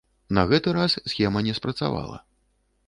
На гэты раз схема не спрацавала.